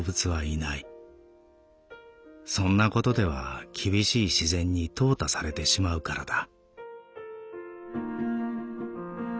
そんなことでは厳しい自然に淘汰されてしまうからだ」。